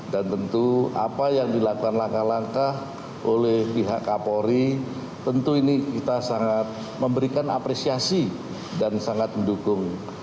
dan tentu apa yang dilakukan langkah langkah oleh pihak kapolri tentu ini kita sangat memberikan apresiasi dan sangat mendukung